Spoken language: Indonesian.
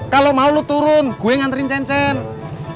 kalau mau lu turun gue yang nganterin cencenn